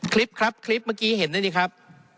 คลิปครับคลิปเมื่อกี้เห็นได้นี่ครับ